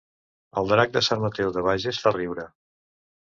El drac de Sant Mateu de Bages fa riure